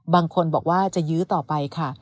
บางคนบอกว่าจะยื้อต่อไปค่ะ